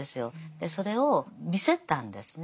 でそれを見せたんですね。